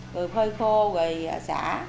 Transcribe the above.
rồi phơi khô rồi xả